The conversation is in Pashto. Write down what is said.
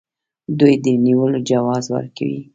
دوی د نیولو جواز ورکوي.